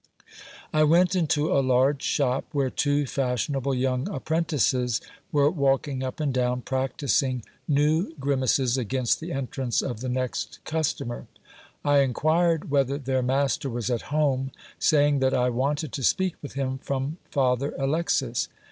I went into a large shop, where two fashionable young apprentices were walking up and down, practising new grimaces against the entrance of the next customer. I inquired whether their master was at home, saying that I wanted to speak with him from Father Alexis.